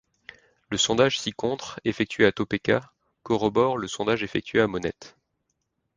Le sondage ci-contre effectué à Topeka corrobore le sondage effectué à Monett.